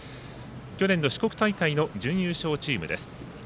去年の四国大会の準優勝チームです。